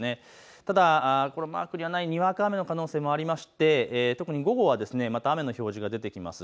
ただこのマークにはないにわか雨の可能性もあって特に午後はまた雨の表示が出てきます。